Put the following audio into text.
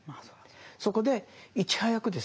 そこでいち早くですね